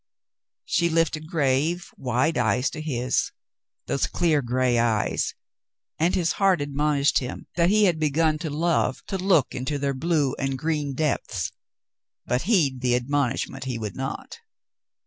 She lifted grave, wide eyes to his — those clear gray eyes — and his heart admonished him that he had begun to love to look into their blue and green depths, but heed the admonishment he would not.